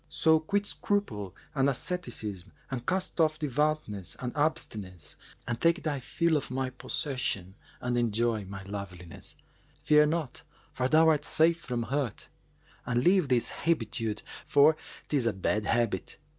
So quit scruple and asceticism and cast off devoutness and abstinence and take thy fill of my possession and enjoy my loveliness. Fear naught, for thou art safe from hurt, and leave this hebetude for 'tis a bad habit."